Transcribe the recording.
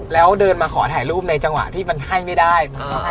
แล้วเดินมาขอถ่ายรูปในจังหวะที่มันให้ไม่ได้